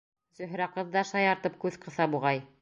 Зөһрә ҡыҙ ҙа шаяртып күҙ ҡыҫа буғай.